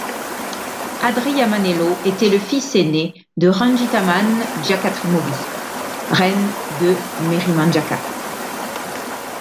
Andriamanelo était le fils aîné de Rangitamanjakatrimovavy, reine de Merimanjaka.